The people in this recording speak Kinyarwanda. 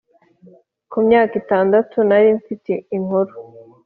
kumyaka itandatu narimfite inkuru